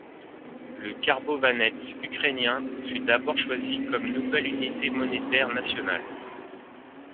Le karbovanets ukrainien fut d'abord choisi comme nouvelle unité monétaire nationale.